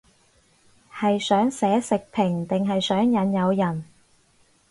係想寫食評定係想引誘人